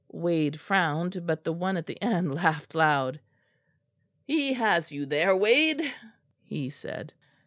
Wade frowned, but the one at the end laughed loud. "He has you there, Wade," he said.